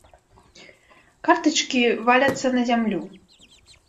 Картачкі валяцца на зямлю.